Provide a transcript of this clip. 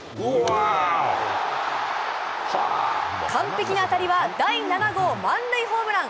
完璧な当たりは第７号満塁ホームラン。